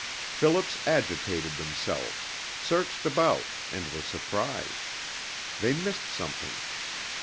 Philip's agitated themselves, searched about and were surprised; they missed something....